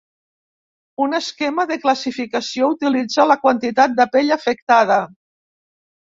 Un esquema de classificació utilitza la quantitat de pell afectada.